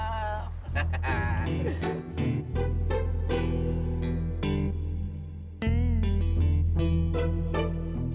rejakan rejakan luar biasa